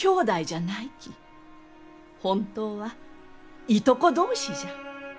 本当はいとこ同士じゃ。